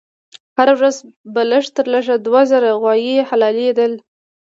هر ورځ به لږ تر لږه دوه زره غوایي حلالېدل.